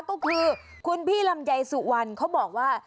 ก็คือคุณพี่ลำไยสุวรรณเขาบอกว่า